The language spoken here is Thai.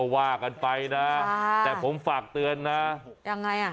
วากันไปนะแต่ผมฝากเตือนนะ